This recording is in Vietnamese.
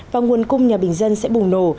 và nguồn cung nhà bình dân sẽ bùng nổ